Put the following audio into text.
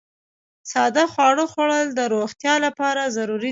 ساده خواړه خوړل د روغتیا لپاره ضروري دي.